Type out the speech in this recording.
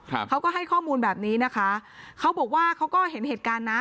เขาก็ให้ข้อมูลแบบนี้นะคะเขาบอกว่าเขาก็เห็นเหตุการณ์นะ